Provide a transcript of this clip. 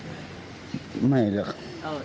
ชาวบ้านญาติโปรดแค้นไปดูภาพบรรยากาศขณะ